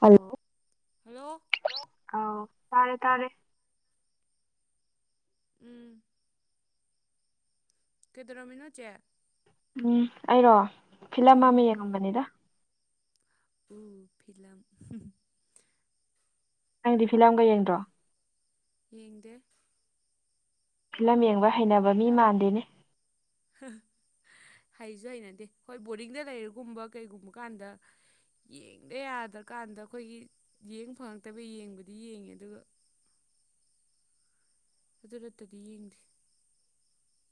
Hello hello ꯑꯥꯎ ꯇꯥꯔꯦ ꯇꯥꯔꯦ ꯎꯝ ꯀꯩꯗꯔꯃꯤꯅꯣ ꯆꯦ ꯎꯝ ꯑꯩꯔꯣ ꯐꯤꯂꯝ ꯑꯃ ꯎꯝ ꯌꯦꯡꯉꯝꯕꯅꯤꯗ ꯎ ꯐꯤꯂꯝ ꯅꯪꯗꯤ ꯐꯤꯂꯝꯒ ꯌꯦꯡꯗ꯭ꯔꯣ ꯌꯦꯡꯗꯦ ꯤꯂꯝ ꯌꯦꯡꯕ ꯍꯩꯅꯕ ꯃꯤ ꯃꯥꯟꯗꯦꯅꯦ ꯍꯩꯁꯨ ꯍꯩꯅꯗꯦ ꯍꯣꯏ ꯕꯣꯔꯗꯤꯡꯗ ꯂꯩꯔꯒꯨꯝꯕ ꯀꯩꯒꯨꯝꯕ ꯀꯥꯟꯗ ꯌꯦꯡꯗ ꯌꯥꯗ꯭ꯔꯀꯥꯟꯗ ꯑꯩꯈꯣꯏꯒꯤ ꯌꯦꯡ ꯐꯪꯉꯛꯇꯕ ꯌꯦꯡꯕꯗꯤ ꯌꯦꯡꯉꯦ ꯑꯗꯨꯒ ꯑꯗꯨ ꯅꯠꯇꯗꯤ ꯌꯦꯡꯗꯦ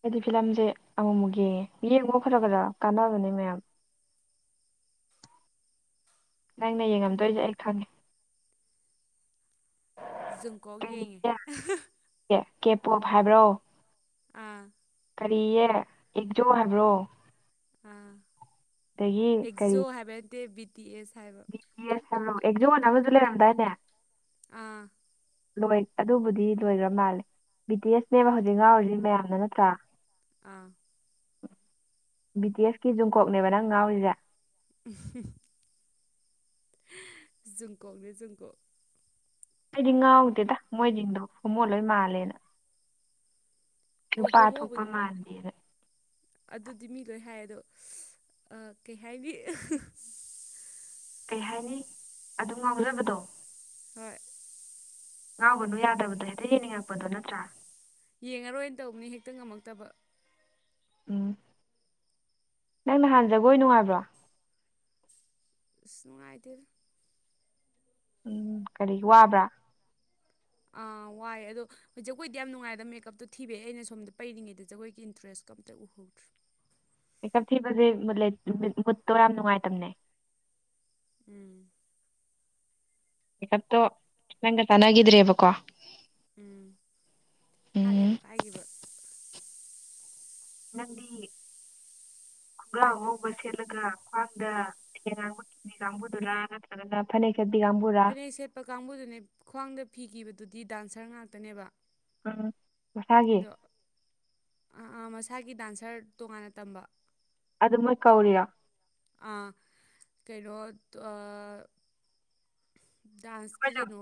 ꯑꯩꯗꯤ ꯐꯤꯂꯝꯁꯦ ꯑꯃꯃꯨꯛ ꯌꯦꯡꯉ ꯌꯦꯡꯉꯣ ꯈꯔ ꯈꯔ ꯀꯥꯟꯅꯕꯅꯦ ꯃꯌꯥꯝ ꯅꯪꯅ ꯇꯜꯂꯦ꯫ ꯌꯦꯡꯉꯝꯗꯣꯏꯁꯦ ꯑꯩ ꯈꯪꯉꯦ ꯨꯝꯀꯥꯎ ꯌꯦꯡꯉꯦ ꯀꯦꯞ ꯄꯣꯞ ꯍꯥꯏꯕ꯭ꯔꯣ ꯑꯥ ꯀꯔꯤꯌꯦ ꯌꯦꯛꯖꯧ ꯍꯥꯏꯕ꯭ꯔꯣ ꯑꯥ ꯑꯗꯒꯤ ꯑꯦꯛꯖꯣ ꯍꯥꯏꯕ ꯅꯠꯇꯦ ꯕꯤ ꯇꯤ ꯑꯦꯁ ꯍꯥꯏꯕ ꯂꯣ ꯑꯦꯖ ꯃ ꯑꯃꯒꯖꯂꯔꯝꯗꯥꯥꯏꯅꯦ ꯑꯥ ꯂꯣꯏ ꯑꯗꯨꯕꯨꯗꯤ ꯂꯣꯏꯈ꯭ꯔ ꯃꯥꯜꯂꯦ ꯕꯤ ꯇꯤ ꯑꯦꯁꯅꯦꯕ ꯍꯧꯖꯤꯛ ꯉꯥꯎꯔꯤꯁꯤ ꯃꯌꯥꯝꯅ ꯅꯠꯇ꯭ꯔꯥ ꯑꯥ ꯕ꯭ꯔꯤꯇꯤꯁꯀꯤ ꯖꯨꯝꯀꯣꯛꯅꯦꯕ ꯅꯪ ꯉꯥꯎꯔꯤꯁꯦ ꯎ [unintelligible] ꯑꯩꯗꯤ ꯉꯥꯎꯗꯦꯗ ꯃꯣꯏꯗꯤꯡꯗꯣ ꯍꯨꯃꯣ ꯂꯣꯏ ꯃꯥꯜꯂꯦꯅ ꯍꯣ ꯅꯨꯄꯥ ꯍꯣꯃꯣꯕꯨ ꯊꯣꯛꯄ ꯃꯥꯥꯟꯗꯦꯗ ꯑꯗꯨꯗꯤ ꯃꯤ ꯂꯣꯏ ꯍꯥꯏ ꯑꯗꯣ ꯀꯩ ꯍꯥꯏꯅꯤ ꯀꯩ ꯍꯥꯏꯅꯤ ꯑꯗꯨ ꯉꯥꯎꯖꯕꯗꯣ ꯍꯣꯏ ꯉꯥꯎꯒꯅꯨ ꯌꯥꯗꯕꯗꯣ ꯍꯦꯛꯇ ꯌꯦꯡꯅꯤꯡꯉꯛꯄꯗꯣ ꯅꯠꯇ꯭ꯔꯥ ꯌꯦꯡꯉꯔꯣꯏꯅ ꯇꯧꯕꯅꯤ ꯍꯦꯛꯇ ꯉꯝꯃꯛꯇꯕ ꯎꯝ ꯅꯪ ꯅꯍꯥꯟꯖꯒꯣꯏ ꯅꯨꯡꯉꯥꯏꯕ꯭ꯔꯣ ꯏꯁ ꯅꯨꯡꯉꯥꯏꯇꯦꯗ ꯎꯝ ꯀꯔꯤ ꯋꯥꯕ꯭ꯔꯥ ꯑꯥ ꯋꯥꯏ ꯑꯗꯣ ꯍꯣꯏ ꯖꯒꯣꯏꯗꯤ ꯌꯥꯝ ꯅꯨꯡꯉꯥꯏꯗ ꯃꯦꯀꯞꯇꯣ ꯊꯤꯕꯩ ꯑꯩꯅꯣꯝꯗ ꯄꯔꯤꯉꯩꯗ ꯖꯒꯣꯏꯒꯤ ꯏꯟꯇꯔꯦꯁ ꯀꯝꯇ ꯎꯍꯧꯗ꯭ꯔꯦ ꯃꯦꯀꯞ ꯊꯤꯕꯁꯦ ꯃꯨꯠꯇꯣ ꯌꯥꯝ ꯅꯨꯡꯉꯥꯏꯇꯕꯅꯦ ꯎꯝ ꯄꯤꯀꯞꯇꯣ ꯅꯪꯒ ꯆꯥꯟꯅꯈꯤꯗ꯭ꯔꯦꯕꯀꯣ ꯎꯝ ꯍꯥꯔ ꯎꯝ ꯌꯥꯝ ꯀꯥꯏꯈꯤꯕ ꯅꯗꯤ ꯈꯨꯡꯒꯥ꯭ꯔ ꯑ ꯉꯧꯕ ꯁꯦꯠꯂꯒ ꯈ꯭ꯋꯥꯡꯗ ꯊꯦ ꯉꯥꯡꯕ ꯀꯤꯅꯤ ꯀꯥꯡꯕꯨꯗꯨ ꯂꯥꯛꯑꯒ ꯑꯅ ꯐꯅꯦꯦꯛ ꯀꯕꯤꯒꯝꯕꯨꯔ ꯄꯄ ꯀꯥꯡꯕꯨꯗꯨꯅꯦ ꯈ꯭ꯋꯥꯡꯗ ꯐꯤꯈꯤꯕꯗꯨꯗꯤ ꯗꯥꯟꯁꯔ ꯉꯥꯛꯇꯅꯦꯕ ꯎꯝ ꯃꯁꯥꯒꯤ ꯑꯗꯣꯥ ꯃꯁꯥꯒꯤ ꯗꯥꯟꯁꯔ ꯇꯣꯉꯥꯟꯅ ꯇꯝꯕ ꯑꯗꯨ ꯃꯣꯏ ꯀꯧꯔꯤꯔꯣ ꯑꯥ ꯀꯩꯅꯣ ꯗꯥꯟꯁꯀꯤ ꯑꯩꯈꯣꯏꯅ ꯀꯩꯅꯣ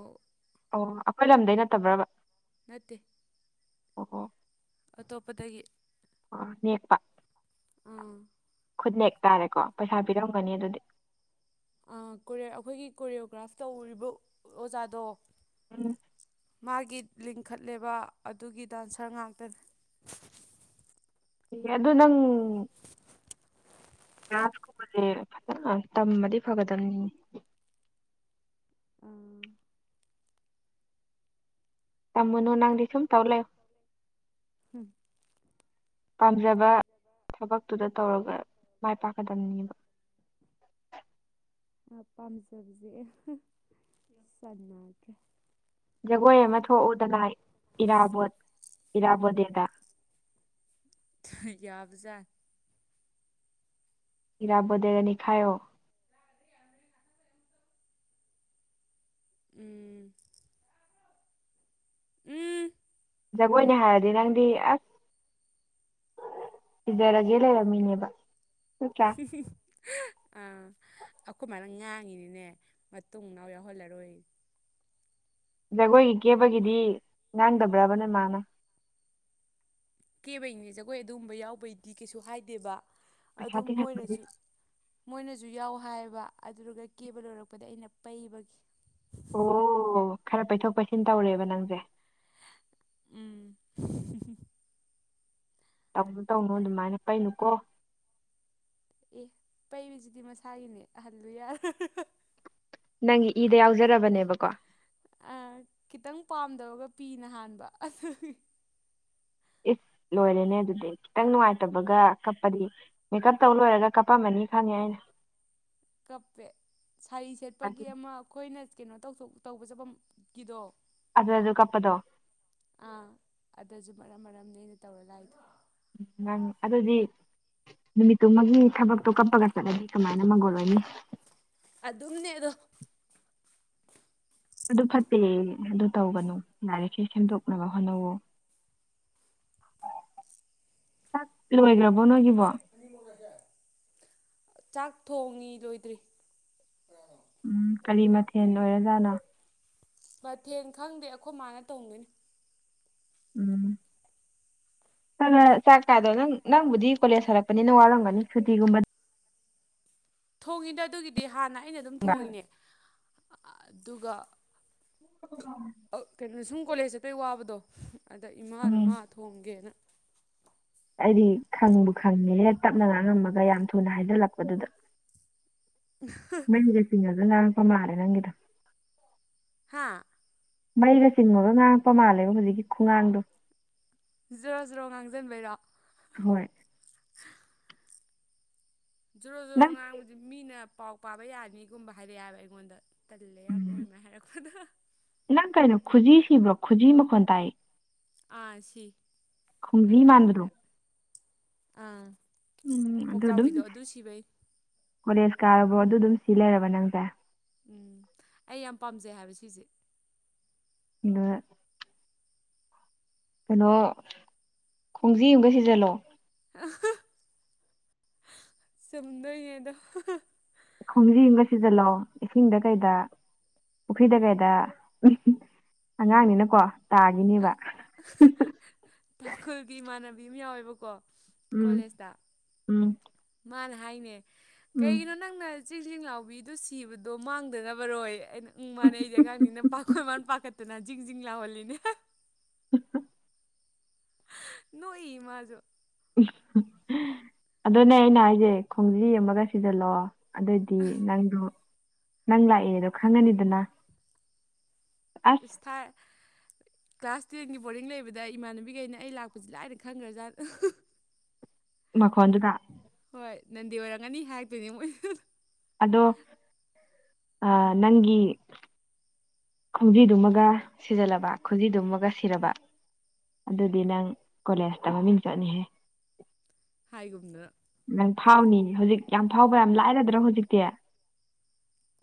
ꯑꯣ ꯑꯩꯈꯣꯏ ꯂꯝꯗꯩ ꯅꯠꯇꯕ꯭ꯔꯕ ꯅꯠꯇꯦ ꯑꯣ ꯍꯣ ꯑꯇꯣꯞꯄꯗꯒꯤ [unintelligible] ꯑꯥ ꯈꯨꯠꯅꯦꯛ ꯇꯥꯔꯦꯀꯣ ꯄꯩꯁꯥ ꯄꯤꯔꯝꯒꯅꯤ ꯑꯗꯨꯗꯤ ꯑꯩꯈꯣꯏꯒꯤ ꯀꯣꯔꯤꯌꯑꯣꯒ꯭ꯔꯥꯐ ꯇꯧꯔꯤꯕ ꯑꯣꯖꯥꯗꯣ ꯎꯝ ꯃꯥꯒꯤ ꯂꯤꯡꯈꯠꯂꯦꯕ ꯑꯗꯨꯒꯤ ꯗꯥꯟꯁꯔ ꯉꯥꯛꯇꯅꯦ ꯑꯗꯨ ꯅꯪ ꯔꯥꯁ ꯀꯨꯝꯕꯁꯦ ꯐꯖꯅ ꯇꯝꯕꯗꯤ ꯐꯒꯗꯝꯕꯅꯤ ꯑꯥ ꯇꯥꯃꯨꯅꯣ ꯅꯪꯗꯤ ꯁꯨꯝ ꯇꯧ ꯂꯩꯌꯣ ꯍꯝ ꯄꯥꯝꯖꯕ ꯊꯕꯛꯇꯨꯗ ꯇꯧꯔꯒ ꯃꯥꯏ ꯄꯥꯛꯀꯗꯕꯅꯦꯕ ꯄꯥꯝꯖꯕꯁꯦ ꯆꯥꯟꯅꯗ꯭ꯔꯦ ꯖꯒꯣꯏ ꯑꯃ ꯊꯣꯛꯎꯗꯅ ꯏꯔꯥꯕꯣꯠ ꯏꯔꯥꯕꯣꯠ ꯗꯦꯗ ꯌꯥꯕ ꯖꯥꯠꯅꯤ ꯏꯤꯔꯥꯕꯣꯠꯗꯦ ꯅꯤꯈꯥꯏꯌꯣ ꯎꯝ ꯎꯝ ꯖꯒꯣꯏꯅꯦ ꯍꯥꯏꯔꯗꯤ ꯅꯪꯗꯤ ꯑꯁ ꯁꯤꯖꯔꯒꯦ ꯂꯩꯔꯕꯃꯤꯅꯦꯕ ꯑꯥ ꯅꯠꯇꯔꯥ [unintelligible] ꯑꯩꯈꯣꯏꯃꯥꯏꯅ ꯉꯥꯡꯉꯤꯅꯤꯅꯦ ꯃꯇꯨꯡ ꯃꯅꯥꯎ ꯌꯥꯎꯍꯜꯂꯔꯣꯏ ꯖꯒꯣꯏꯒꯤ ꯀꯦꯕꯒꯤꯗꯤ ꯉꯥꯡꯗꯕ꯭ꯔꯕ ꯅꯣꯏ ꯃꯥꯅ ꯀꯦꯕꯩꯅꯦ ꯖꯒꯣꯏ ꯑꯗꯨꯒꯨꯝꯕ ꯌꯥꯎꯕꯩꯗꯤ ꯀꯩꯁꯨ ꯍꯥꯏꯗꯦꯕ ꯄꯩꯁꯥ ꯑꯗꯨꯝ ꯇꯤꯡꯍꯟꯕꯒꯤ ꯃꯣꯏꯅꯁꯨ ꯃꯣꯏꯅꯁꯨ ꯌꯥꯎ ꯍꯥꯏꯌꯦꯕ ꯑꯗꯨꯗꯨꯒ ꯀꯦꯕ ꯂꯣꯏꯔꯛꯄꯗ ꯑꯩꯅ ꯄꯩꯕꯒꯤ ꯑꯣ ꯈꯔ ꯄꯩꯊꯣꯛ ꯄꯩꯁꯤꯟ ꯇꯧꯔꯦꯕ ꯅꯪꯁꯦ ꯎꯝ ꯇꯧꯅꯣ ꯇꯧꯅꯨ ꯑꯗꯨꯃꯥꯏꯅ ꯄꯩꯅꯨꯀꯣ ꯑꯦ ꯄꯩꯔꯤꯁꯤꯗꯤ ꯃꯁꯥꯒꯤꯅꯦ ꯑꯍꯜꯂꯨ ꯌꯥꯔ ꯅꯪꯒꯤ ꯏꯗ ꯌꯥꯎꯖꯔꯕꯅꯦꯕꯀꯣ ꯈꯤꯇꯪ ꯄꯥꯝꯗꯕꯒ ꯄꯤꯅ ꯍꯥꯟꯕ ꯑꯗꯨ ꯏꯁ ꯂꯣꯏꯔꯦꯅꯦ ꯑꯗꯨꯗꯤ ꯈꯤꯇꯪ ꯅꯨꯡꯉꯥꯏꯇꯕꯒ ꯀꯞꯄꯗꯤ ꯃꯦꯀꯞ ꯇꯧ ꯂꯣꯏꯔꯒ ꯀꯞꯄꯝꯃꯅꯤ ꯈꯪꯉꯦ ꯑꯩꯅ ꯁꯥꯔꯤ ꯁꯦꯠꯄꯒꯤ ꯑꯃ ꯑꯩꯈꯣꯏꯅ ꯀꯩꯅꯣ ꯇꯧꯕ ꯆꯠꯐꯝꯒꯤꯗꯣ ꯑꯗ ꯑꯗꯨ ꯀꯄꯗꯣ ꯑꯥ ꯑꯗꯨꯁꯨ ꯃꯔꯝ ꯃꯔꯝꯅꯦ ꯑꯩꯅ ꯇꯧꯔꯂꯛꯏꯗ ꯎꯝ ꯑꯗꯨꯗꯤ ꯅꯨꯃꯤꯠꯇꯨꯃꯒꯤ ꯊꯕꯛꯇꯣ ꯀꯞꯄꯒ ꯆꯠꯂꯗꯤ ꯀꯃꯥꯏꯅ ꯅ ꯃꯒꯣꯜ ꯑꯣꯏꯅꯤ ꯑꯗꯨꯝꯅꯦ ꯑꯗꯣ ꯑꯗꯨ ꯐꯠꯇꯦ ꯑꯗꯨ ꯇꯧꯒꯅꯨ ꯌꯥꯔꯤꯈꯩ ꯁꯦꯝꯗꯣꯛꯅꯕ ꯍꯣꯠꯅꯧ ꯑꯣ [unintelligible] ꯆꯥꯛ ꯂꯣꯏꯈ꯭ꯔꯕꯣ ꯅꯣꯏꯒꯤꯕꯣ ꯆꯥꯛ ꯊꯣꯡꯉꯤ ꯂꯣꯏꯗ꯭ꯔꯤ ꯎꯝ ꯀꯔꯤ ꯃꯊꯦꯜ ꯑꯣꯏꯔꯖꯥꯠꯅꯣ ꯃꯊꯦꯡ ꯈꯪꯗꯦ ꯑꯩꯈꯣꯏ ꯃꯥꯅ ꯇꯧꯗꯣꯏꯅꯤ ꯎꯝ ꯆꯥꯛ ꯀꯥꯗꯣ ꯅꯪ ꯅꯪꯕꯨꯗꯤ ꯀꯣꯂꯦꯖ ꯍꯜꯂꯛꯄꯅꯤ ꯅꯪ ꯋꯥꯔꯝꯒꯅꯤ ꯁꯨꯇꯤꯒꯨꯝꯕ ꯊꯣꯡꯉꯤꯗ ꯑꯗꯨꯒꯤꯗꯤ ꯍꯥꯟꯅ ꯑꯩꯅ ꯑꯗꯨꯝ ꯊꯣꯡꯉꯤꯅꯦ ꯑꯗꯨꯒ [inaudible] ꯀꯩꯅꯣ ꯁꯨꯝ ꯀꯣꯂꯦꯖ ꯆꯠꯄꯩ ꯋꯥꯕꯗꯣ ꯑꯗꯥ ꯏꯃꯥꯅ ꯃꯥ ꯎꯝ ꯊꯣꯡꯒꯦꯅ ꯑꯩꯗꯤ ꯈꯪꯕꯨ ꯈꯪꯉꯦ ꯍꯦ ꯇꯞꯅ ꯉꯥꯡꯉꯝꯃꯒ ꯌꯥꯝ ꯊꯨꯅ ꯍꯥꯏꯖꯜꯂꯛꯄꯗꯨꯗ ꯎꯍ ꯃꯩꯒꯦꯁꯤꯡꯉꯒ ꯉꯥꯡꯉꯛꯄ ꯃꯥꯂꯦ ꯅꯪꯒꯤꯗꯣ ꯍꯥꯥ ꯃꯩꯒ ꯆꯤꯡꯉꯨꯔꯒ ꯉꯥꯡꯉꯛꯄ ꯃꯥꯜꯂꯦꯕ ꯍꯧꯖꯤꯛꯀꯤ ꯈꯨꯉꯥꯡꯗꯣ ꯖꯔꯣ ꯖꯔꯣ ꯉꯥꯡꯁꯤꯟꯕꯩꯔꯣ ꯍꯣꯏ ꯖꯣꯔꯣ ꯖꯔꯣ ꯅꯪ ꯉꯥꯡꯕꯁꯤ ꯃꯤꯅ ꯄꯥꯎ ꯄꯥꯕ ꯌꯥꯅꯤꯒꯨꯝꯕ ꯍꯥꯏꯔꯛꯑ ꯍꯥꯏꯕ ꯑꯩꯉꯣꯟꯗ ꯇꯜꯂꯦ ꯌꯥꯝ ꯃꯣꯏ ꯎꯝ ꯑꯗꯨꯃꯥꯏꯅꯥ ꯍꯥꯏꯔꯛꯄꯗꯣ ꯅꯪ ꯀꯩꯅꯣ ꯈꯨꯖꯤ ꯁꯤꯕ꯭ꯔꯣ ꯈꯨꯖꯤ ꯃꯈꯣꯟ ꯇꯥꯏꯌꯦ ꯑꯥ ꯁꯤ ꯈꯣꯡꯖꯤ ꯃꯥꯟꯕꯗꯣ ꯑꯉꯥꯡꯅꯤꯅ ꯑꯥ ꯎꯝ ꯑꯗꯨꯗꯨꯝ ꯄꯣꯛꯆꯥꯎꯕꯤꯗꯣ ꯑꯗꯨ ꯁꯤꯕꯩ ꯀꯣꯂꯦꯖ ꯀꯥꯔꯕꯧ ꯑꯗꯨꯗꯨꯝ ꯁꯤ ꯂꯩꯔꯕ ꯅꯪꯁꯦ ꯎꯝ ꯑꯩ ꯌꯥꯝ ꯄꯥꯝꯖꯩ ꯍꯥꯏꯕ ꯁꯤꯁꯦ ꯑꯗꯨꯅ ꯀꯩꯅꯣ ꯈꯣꯡꯖꯤ ꯑꯝꯒ ꯁꯤꯖꯜꯂꯣ [unintelligible] ꯆꯨꯝꯗꯣꯏꯅꯦ ꯑꯗꯣ ꯈꯣꯡꯖꯤ ꯑꯝꯒ ꯁꯤꯖꯤꯜꯂꯣ ꯏꯁꯤꯡꯗ ꯀꯩꯗ ꯄꯨꯈ꯭ꯔꯤꯗ ꯀꯩꯗ ꯑꯉꯥꯡꯅꯤꯅꯀꯣ ꯇꯥꯒꯤꯅꯦꯕ ꯇꯥꯡꯈꯨꯜꯒꯤ ꯏꯃꯥꯟꯅꯕꯤ ꯑꯃ ꯌꯥꯎꯋꯦꯕꯀꯣ ꯎꯝ ꯀꯣꯂꯦꯖꯇ ꯎꯝ ꯃꯥꯅ ꯍꯥꯏꯅꯦ ꯎꯝ ꯀꯩꯒꯤꯅꯣ ꯅꯪꯅ ꯆꯤꯡ ꯆꯤꯡ ꯂꯥꯎꯕꯤꯗꯣ ꯁꯤꯕꯗꯣ ꯃꯥꯡꯗꯅꯕꯔꯣꯌꯦ ꯑꯩꯅ ꯎꯝ ꯃꯥꯅꯦ ꯑꯩꯗꯤ ꯑꯉꯥꯡꯅꯤꯅ ꯄꯥꯈꯣꯏ ꯃꯥꯅ ꯄꯥꯈꯠ ꯑꯇꯨꯅ ꯖꯤꯡ ꯖꯤꯡ ꯂꯥꯎꯍꯜꯂꯤꯅꯦ [unintelligible] ꯅꯣꯛꯏ ꯃꯥꯖꯨ ꯑꯗꯨꯅꯦ ꯑꯩꯅ ꯍꯥꯏꯖꯦ ꯈꯣꯡꯖꯤ ꯑꯃꯒ ꯁꯤꯖꯜꯂꯣ ꯑꯗꯣꯏꯗꯤ ꯅꯪꯗꯣ ꯅꯪ ꯂꯥꯛꯑꯦꯗꯣ ꯈꯪꯉꯅꯤꯗꯅ ꯑꯁ ꯊꯥꯔ ꯀ꯭ꯂꯥꯁ ꯇꯦꯟꯒꯤ ꯕꯣꯔꯗꯤꯡ ꯂꯩꯕꯗ ꯏꯃꯥꯟꯅꯕꯤꯒꯩꯅ ꯑꯩ ꯂꯥꯛꯄꯁꯤ ꯂꯥꯏꯅ ꯈꯪꯒ꯭ꯔꯖꯥꯠꯅꯤ [inaudible] ꯃꯈꯣꯟꯗꯨꯗꯥ ꯍꯣꯏ ꯅꯟꯗꯤ ꯑꯣꯏꯔꯝꯒꯅꯤ ꯍꯥꯏꯔꯛꯇꯣꯏꯅꯦ ꯃꯣꯏ ꯑꯗꯣ ꯑꯥ ꯅꯪꯒꯤ ꯈꯣꯡꯖꯤꯗꯨꯃꯒ ꯁꯤꯖꯜꯂꯕ ꯈꯨꯖꯤꯗꯨꯃꯒ ꯁꯤꯔꯕ ꯑꯗꯨꯗꯤ ꯅꯪ ꯀꯣꯂꯦꯖꯇ ꯃꯃꯤꯡ ꯆꯠꯅꯤꯍꯦ ꯍꯥꯏꯒꯨꯝꯗꯅꯥ ꯅꯪ ꯐꯥꯎꯅꯤ ꯍꯧꯖꯤꯛ ꯌꯥꯝ ꯐꯥꯎꯕ ꯌꯥꯝ ꯂꯥꯏꯔꯗ꯭ꯔꯣ ꯍꯧꯖꯤꯛꯇꯤ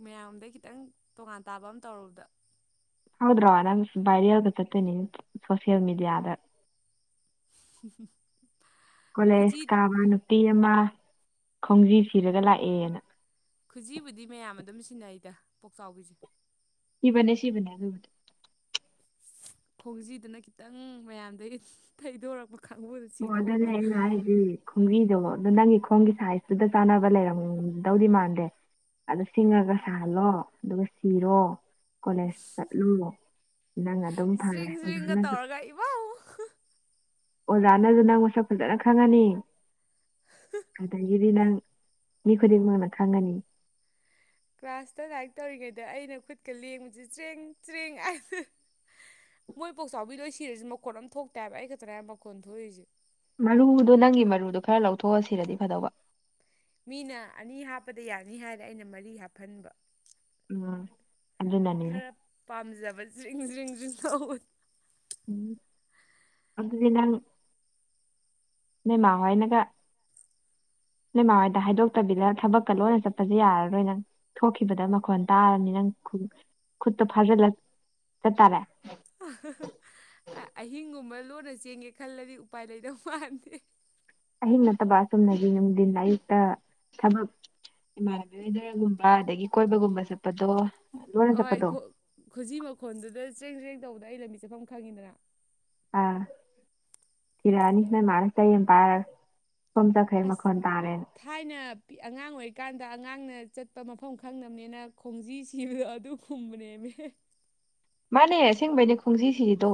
ꯃꯌꯥꯝꯗꯩ ꯈꯤꯇꯪ ꯇꯣꯉꯥꯟ ꯇꯥꯕ ꯑꯃ ꯇꯧꯔꯨꯕꯗ ꯍꯥꯎꯗ꯭ꯔꯣ ꯅꯪ ꯚꯥꯏꯔꯦꯜꯒ ꯆꯠꯇꯣꯏꯅꯤꯅꯦ ꯁꯣꯁꯦꯜ ꯃꯦꯗꯤꯌꯥꯗ [unintelligible] ꯀꯣꯂꯦꯖ ꯈꯨꯖꯤ ꯀꯥꯕ ꯅꯨꯄꯤ ꯑꯃ ꯈꯣꯡꯖꯤ ꯁꯤꯔꯒ ꯂꯥꯛꯑꯦꯅ ꯈꯨꯖꯤꯕꯨꯗꯤ ꯃꯌꯥꯝ ꯑꯗꯨꯝ ꯁꯤꯟꯅꯩꯗ ꯄꯣꯛꯆꯥꯎꯕꯤꯖꯦ ꯁꯤꯕꯅꯦ ꯁꯤꯕꯅꯦ ꯑꯗꯨꯕꯨꯗꯤ ꯈꯣꯡꯖꯤꯗꯨꯅ ꯈꯤꯇꯪ ꯃꯌꯥꯝꯗꯒꯤ ꯊꯩꯗꯣꯔꯛꯄ ꯀꯥꯡꯕꯨꯗ ꯑꯣ ꯑꯗꯨꯅꯦ ꯁꯤꯗꯧꯕ ꯑꯩꯅ ꯍꯥꯏꯖꯤ ꯈꯣꯡꯕꯤꯗꯣ ꯑꯃꯨꯛ ꯑꯗꯨ ꯅꯪꯒꯤ ꯈꯣꯡꯒꯤ ꯁꯥꯏꯖꯇꯨꯗ ꯆꯥꯟꯅꯕ ꯂꯩꯔꯝꯗꯧꯗꯤ ꯃꯥꯟꯗꯦ ꯑꯗꯨ ꯁꯤꯡꯉꯒ ꯁꯥꯍꯜꯂꯣ ꯑꯗꯨꯒ ꯁꯤꯔꯣ ꯀꯣꯂꯦꯖ ꯆꯠꯂꯨ ꯅꯪ ꯑꯗꯨꯝ ꯐꯝꯃꯦ ꯑꯣꯖꯥꯅꯖꯨ ꯀꯩ ꯏꯕꯥꯎ ꯑꯣꯖꯥꯅꯖꯨ ꯅꯪ ꯃꯁꯛ ꯐꯖꯅ ꯈꯪꯉꯅꯤ ꯑꯗꯒꯤꯗꯤ ꯅꯪ ꯃꯤ ꯈꯨꯗꯤꯡꯃꯛꯅ ꯈꯪꯒꯅꯤ ꯀ꯭ꯂꯥꯁꯇ ꯂꯥꯏꯔꯤꯛ ꯇꯧꯔꯤꯉꯩꯗ ꯑꯩꯅ ꯈꯨꯠꯀ ꯂꯦꯡꯕꯖꯤ ꯆ꯭ꯔꯦꯡ ꯆ꯭ꯔꯦꯡ ꯍꯥꯏꯕ ꯃꯣꯏ ꯄꯣꯛꯆꯥꯎꯕꯤ ꯂꯣꯏ ꯁꯤꯔꯖꯨ ꯃꯈꯣꯟ ꯑꯝ ꯊꯣꯛꯇꯦ ꯍꯥꯏꯕ ꯑꯩ ꯈꯛꯇꯅꯦ ꯍꯥꯏꯕ ꯃꯈꯣꯟ ꯊꯣꯛꯏꯁꯦ ꯃꯔꯨꯗꯣ ꯅꯪꯒꯤ ꯃꯔꯨꯗꯣ ꯈꯔ ꯂꯧꯊꯣꯛꯑ ꯁꯤꯔꯗꯤ ꯐꯗꯧꯕ ꯃꯤꯅ ꯑꯅꯤ ꯍꯥꯞꯄꯗ ꯌꯥꯅꯤ ꯍꯥꯏꯔꯦ ꯑꯩꯅ ꯃꯔꯤ ꯍꯥꯞꯐꯟꯕ ꯎꯝ ꯑꯗꯨꯅꯅꯤꯅꯦ ꯈꯔ ꯄꯥꯝꯖꯕ ꯖ꯭ꯔꯤꯡ ꯖ꯭ꯔꯤꯡ ꯖ꯭ꯔꯤꯡ ꯇꯧꯕ ꯎꯝ ꯑꯗꯨ ꯑꯗꯨꯗꯤ ꯅꯪ ꯅꯣꯏꯃꯥꯍꯥꯏꯅꯀ ꯅꯣꯏ ꯃꯥ ꯍꯣꯏꯗ ꯍꯥꯏꯗꯣꯛꯇꯕꯤꯗ ꯊꯕꯛꯀ ꯂꯣꯟꯅ ꯆꯠꯄꯁꯦ ꯌꯥꯔꯔꯣꯏ ꯅꯪ ꯊꯣꯛꯈꯤꯕꯗ ꯃꯈꯣꯟ ꯇꯥꯔꯅꯤ ꯅꯪ ꯈꯨ ꯈꯨꯠꯇ ꯐꯥꯖꯤꯜꯂ ꯆꯠꯇꯥꯔꯦ ꯑ ꯍꯥ ꯍꯥ ꯑꯥ ꯑꯍꯤꯡꯒꯨꯝꯕ ꯂꯣꯟꯅ ꯆꯦꯟꯒꯦ ꯈꯜꯂꯗꯤ ꯎꯄꯥꯏ ꯂꯩꯗꯧ ꯃꯥꯟꯗꯦ ꯑꯍꯤꯡ ꯅꯠꯇꯕ ꯆꯨꯝꯅꯥꯒꯤ ꯅꯨꯡꯊꯤꯟ ꯑꯌꯨꯛꯇ ꯊꯕꯛ ꯏꯃꯥꯟꯅꯕꯤ ꯍꯣꯏꯗꯥꯒꯨꯝꯕ ꯑꯗꯒꯤ ꯀꯣꯏꯕꯒꯨꯝꯕ ꯆꯠꯄꯗꯣ ꯂꯣꯟꯅ ꯑꯣꯏ ꯆꯠꯄꯗꯣ ꯈꯣ ꯈꯨꯖꯤ ꯃꯈꯣꯟꯗꯨꯗ ꯆꯦꯡ ꯆꯔꯦꯡ ꯇꯧꯕꯗ ꯑꯩ ꯂꯝꯕꯤ ꯆꯠꯐꯝ ꯈꯪꯉꯤꯗꯅ ꯑꯥ ꯊꯤꯔꯛꯑꯥꯅꯤ ꯅꯣꯏ ꯃꯅꯥ ꯆꯩ ꯑꯃꯥ ꯄꯥꯔꯒꯥ ꯁꯣꯝ ꯆꯠꯈꯔꯦ ꯑꯁ ꯃꯈꯣꯟ ꯇꯥꯔꯦꯅ ꯊꯥꯏꯅ ꯑꯉꯥꯡ ꯑꯣꯏꯔꯤꯀꯥꯟꯗ ꯑꯉꯥꯡꯅ ꯆꯠꯄ ꯃꯐꯝ ꯈꯪꯅꯥꯕꯅꯦꯅ ꯈꯣꯡꯖꯤ ꯁꯤꯕꯗꯣ ꯑꯗꯨ ꯄꯨꯝꯕꯅꯦꯃꯤ ꯍꯦ ꯃꯥꯅꯦ ꯑꯁꯦꯡꯕꯩꯅꯦ ꯈꯣꯡꯖꯤ ꯁꯤꯔꯤꯗꯣ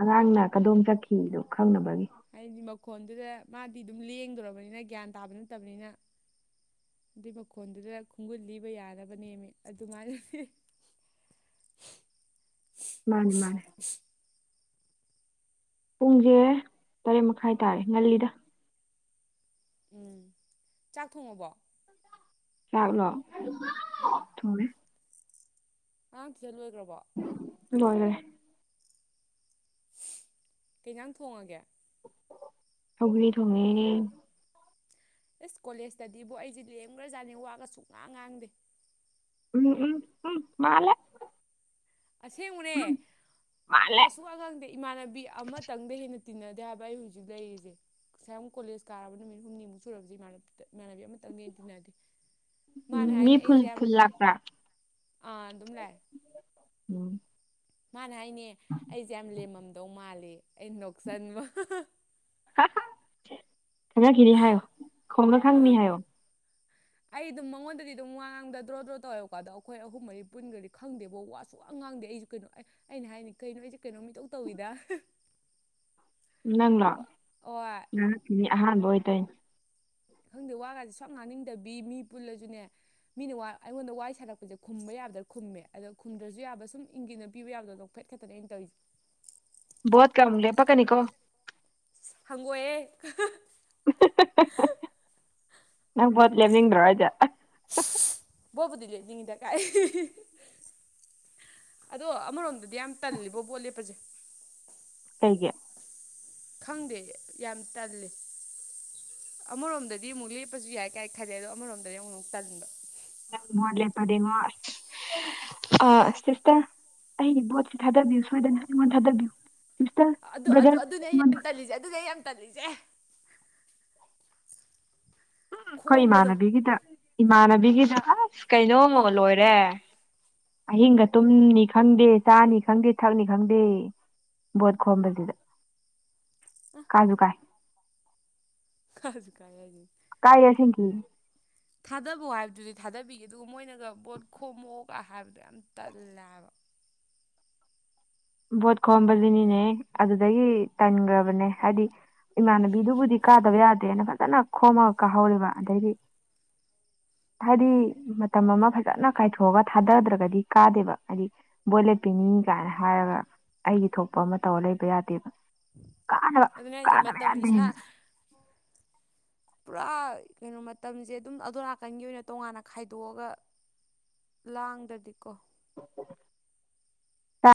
ꯑꯉꯥꯡꯅ ꯀꯗꯣꯝ ꯆꯠꯈꯤꯗꯣ ꯈꯪꯅꯕꯒꯤ ꯍꯥꯏꯗꯤ ꯃꯈꯣꯟꯗꯨꯗ ꯃꯥꯗꯤ ꯑꯗꯨꯝ ꯂꯦꯡꯗ꯭ꯔꯣꯕꯅꯤꯅ ꯒ꯭ꯌꯥꯟ ꯇꯥꯕ ꯅꯠꯇꯕꯅꯤꯅ ꯑꯗꯨꯏ ꯃꯈꯣꯟꯗꯨꯗ ꯈꯣꯡꯒꯨꯟ ꯂꯤꯕ ꯌꯥꯅꯕꯅꯦꯃꯤ ꯑꯗꯨꯃꯥꯏꯅꯗꯤ ꯃꯥꯅꯦ ꯃꯥꯅꯦ ꯄꯨꯡꯁꯦ ꯇꯔꯦꯠ ꯃꯈꯥꯏ ꯇꯥꯔꯦ ꯉꯜꯂꯤꯗ ꯎꯝ ꯆꯥꯛ ꯊꯣꯡꯉꯕꯣ ꯆꯥꯥꯛꯂꯣ ꯎꯝ ꯑꯉꯥꯡ ꯇꯨꯏꯁꯟ ꯂꯣꯏꯒ꯭ꯔꯕꯣ ꯂꯣꯏꯒꯔꯦ ꯀꯩ ꯏꯟꯖꯥꯡ ꯊꯣꯡꯉꯒꯦ ꯁꯧꯒ꯭ꯔꯤ ꯊꯣꯡꯉꯦ ꯑꯦꯁ ꯀꯣꯂꯦꯖꯇꯗꯤ ꯕꯣ ꯑꯩꯖꯦ ꯂꯦꯝꯒ꯭ꯔꯖꯥꯠꯅꯦ ꯋꯥꯒ ꯁꯨꯡ ꯉꯥꯡ ꯉꯥꯡꯗꯦ ꯎꯝ ꯎꯝ ꯎꯝ ꯃꯥꯂꯦ ꯑꯁꯦꯡꯕꯅꯦ ꯃꯥꯜꯂꯦ ꯋꯥ ꯁꯨꯉꯥꯡ ꯉꯥꯡꯗꯦ ꯏꯃꯥꯟꯅꯕꯤ ꯑꯃꯇꯪꯗ ꯍꯦꯟꯅ ꯇꯤꯟꯅꯗꯦ ꯍꯥꯏꯕ ꯑꯩ ꯍꯧꯖꯤꯛ ꯂꯩꯔꯤꯖꯦ ꯉꯁꯥꯏ ꯃꯨꯛ ꯀꯣꯂꯦꯖ ꯀꯥꯔꯕ ꯅꯨꯃꯤꯠ ꯍꯨꯝꯅꯤꯃꯨꯛ ꯁꯨꯔꯕꯁꯤ ꯃꯥꯟ ꯏꯃꯥꯟꯅꯕꯤ ꯑꯃꯇꯪ ꯗꯩꯩ ꯍꯦꯟꯅ ꯇꯤꯟꯅꯗꯦ ꯎꯝ ꯃꯥꯅꯦ ꯃꯤ ꯍꯥꯏꯅꯦ ꯐꯨꯜ ꯑꯩꯖꯦ ꯌꯥꯝ ꯐꯨꯜ ꯂꯥꯛꯄ꯭ꯔꯥ ꯑꯥ ꯑꯗꯨꯝ ꯂꯥꯛꯑꯦ ꯎꯝ ꯃꯥꯅ ꯍꯥꯏꯅꯦ ꯑꯩꯁꯦ ꯌꯥꯝ ꯂꯦꯝꯃꯝꯗꯧ ꯃꯥꯜꯂꯤꯌꯦ ꯑꯩ ꯅꯣꯛꯁꯟꯕ ꯍꯥ ꯍꯥ ꯈꯪꯉꯛꯈꯤꯅꯤ ꯍꯥꯏꯌꯣ ꯈꯣꯡꯉ ꯈꯪꯅꯤ ꯍꯥꯏꯌꯣ ꯑꯩ ꯑꯗꯨꯝ ꯃꯉꯣꯟꯗꯗꯤ ꯑꯗꯨꯝ ꯋꯥ ꯉꯥꯡꯕꯗ ꯗ꯭ꯔꯣ ꯗ꯭ꯔꯣ ꯇꯧꯋꯦꯕꯀꯣ ꯑꯗꯣ ꯑꯩꯈꯣꯏ ꯑꯍꯨꯝ ꯃꯔꯤ ꯄꯨꯟꯒ꯭ꯔꯗꯤ ꯈꯪꯗꯦꯕꯣ ꯋꯥ ꯁꯨꯡꯋꯥ ꯉꯥꯡꯗꯦ ꯑꯩꯁꯨ ꯀꯩꯅꯣ ꯑꯩ ꯑꯩꯅ ꯍꯥꯏꯅꯤ ꯀꯩꯅꯣ ꯑꯩꯁꯦ ꯀꯩꯅꯣ ꯃꯤꯇꯧ ꯇꯧꯋꯤꯗ [inaudible] ꯅꯪꯂꯣ ꯍꯣꯏ ꯉꯥꯡꯉꯛꯈꯤꯅꯤ ꯑꯍꯥꯟꯕ ꯑꯣꯏ ꯇꯧꯏꯅ ꯈꯪꯗꯦ ꯋꯥꯒꯁꯦ ꯁꯛ ꯉꯥꯡ ꯉꯡꯅꯤꯡꯗꯕꯤ ꯃꯤ ꯄꯨꯜꯂꯁꯨꯅꯦ ꯃꯤꯅ ꯋꯥ ꯑꯩꯉꯣꯟꯗ ꯋꯥꯔꯤ ꯁꯥꯥꯔꯛꯄꯁꯦ ꯈꯨꯝꯕ ꯌꯥꯕꯗ ꯈꯨꯝꯃꯦ ꯑꯗꯣ ꯈꯨꯝꯗ꯭ꯔꯁꯨ ꯌꯥꯕ ꯁꯨꯝ ꯏꯪꯒꯤꯠꯅ ꯄꯤꯕ ꯌꯥꯕꯗꯣ ꯐꯦꯠꯠꯇꯅꯦ ꯑꯩꯅꯧꯔꯤꯁꯁꯤ ꯣꯠ ꯀꯃ ꯂꯦ ꯄ ꯀꯅꯤꯀꯣ ꯍꯪꯒꯣꯏꯑꯦ ꯅꯪ ꯄꯣꯠ ꯂꯦꯝꯅꯤꯡꯗ꯭ꯔꯣ ꯍꯥꯏꯗ ꯣꯕꯨꯗꯤ ꯂꯩꯉꯗꯀꯥꯏ ꯑꯗꯣ ꯑꯃꯔꯣꯝꯗꯗꯤ ꯌꯥꯝ ꯇꯜꯂꯤꯕꯣ ꯕꯣꯠ ꯂꯦꯞꯄꯁꯦ ꯀꯩꯒꯤ ꯈꯪꯗꯦ ꯌꯥꯝ ꯇꯜꯂꯤ ꯑꯃꯔꯣꯝꯗꯗꯤ ꯑꯃꯨꯛ ꯂꯦꯞꯄꯁꯨ ꯌꯥꯏ ꯀꯥꯏ ꯈꯜꯗꯦ ꯑꯗꯣ ꯑꯃꯔꯣꯝꯗꯗꯤ ꯑꯃꯨꯛ ꯑꯃꯨꯛ ꯇꯟꯕ ꯃꯠꯂꯦ ꯄꯔꯦꯡꯉ ꯑ ꯆꯁꯇꯥ ꯑꯩꯒꯤ ꯕꯣꯠꯁꯤꯦ ꯊꯥꯗꯕꯤꯌꯨ ꯁꯣꯏꯗꯅ ꯑꯩꯉꯣꯟꯗ ꯊꯥꯗꯕꯤꯌꯨ ꯁꯤꯁꯇꯔ ꯑꯗꯨ ꯑꯗꯨ ꯕ꯭ꯔꯗꯔ ꯑꯗꯨꯅꯦ ꯑꯩ ꯌꯥꯝ ꯑꯩꯉꯣꯟꯗ ꯇꯜꯂꯤꯁꯦ ꯑꯗꯨꯗꯤ ꯑꯩ ꯌꯥꯝ ꯇꯜꯂꯤꯁꯦ ꯎ ꯑꯩꯈꯣꯏ ꯈꯣꯝꯕꯗꯣ ꯏꯃꯥꯟꯅꯕꯤꯒꯤꯗ ꯏꯃꯥꯟꯅꯕꯤꯒꯤꯗ ꯑꯁ ꯀꯩꯅꯣꯃꯣ ꯂꯣꯏꯔꯦ ꯑꯍꯤꯡꯒ ꯇꯨꯝꯅꯤ ꯈꯪꯗꯦ ꯆꯥꯅꯤ ꯈꯪꯗꯦ ꯊꯛꯅꯤ ꯈꯪꯗꯦ ꯕꯣꯠ ꯈꯣꯝꯕꯁꯤꯗ ꯀꯥꯁꯨ ꯀꯥꯏ ꯈꯁꯤ ꯀꯥꯏꯖꯤ ꯀꯥꯏ ꯁꯦꯡꯀꯤ ꯊꯥꯗꯕꯧ ꯍꯥꯏꯕꯗꯨꯗꯤ ꯊꯥꯗꯕꯤꯈꯤꯦ ꯑꯗꯨꯒ ꯃꯣꯏꯅꯒ ꯕꯣꯠ ꯈꯣꯝꯃꯛꯑꯣꯒ ꯍꯥꯏꯕꯗꯣ ꯌꯥꯝ ꯇꯜꯂꯦꯕ ꯕꯣꯠ ꯈꯣꯝꯕꯗꯨꯅꯤꯅꯦ ꯑꯗꯨꯗꯒꯤ ꯇꯟꯈ꯭ꯔꯕꯅꯦ ꯍꯥꯏꯗꯤ ꯏꯃꯥꯟꯅꯕꯤꯗꯨꯕꯨꯗꯤ ꯀꯥꯗꯕ ꯌꯥꯗꯦꯅ ꯐꯖꯅ ꯈꯣꯝꯃꯒ ꯀꯥꯍꯧꯕ ꯑꯗꯩꯗꯤ ꯍꯥꯏꯗꯤ ꯃꯇꯝ ꯑꯃ ꯐꯖꯅ ꯀꯥꯏꯊꯣꯛꯑꯒ ꯊꯥꯗꯗ꯭ꯔꯒꯗꯤ ꯀꯥꯗꯦꯕ ꯍꯥꯏꯗꯤ ꯕꯣꯏꯂꯦꯠꯄꯤꯤꯅꯤ ꯀꯥꯏꯅ ꯍꯥꯏꯔꯒ ꯑꯩꯒꯤ ꯊꯣꯛꯄ ꯑꯃ ꯇꯧꯔ ꯂꯩꯕ ꯌꯥꯗꯦꯕ ꯀꯥꯅꯕ ꯑꯗꯨꯅ ꯑꯩꯁ ꯀꯥꯗꯕ ꯃꯇꯝ ꯌꯥꯗꯦꯅ ꯏꯁꯥ ꯄꯨꯔꯥ ꯀꯩꯅꯣ ꯃꯇꯝꯁꯦ ꯑꯗꯨꯝ ꯑꯗꯣ ꯅꯥꯀꯟꯒꯤ ꯑꯣꯏꯅ ꯇꯣꯉꯥꯟꯅ ꯈꯥꯏꯗꯣꯛꯑꯒ ꯂꯥꯡꯗꯗꯤꯀꯣ [inaudible]